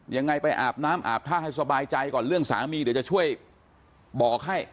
ยังไงไปอาบน้ำอาบท่าให้สบายใจก่อนเรื่องสามีเดี๋ยวจะช่วยบอกให้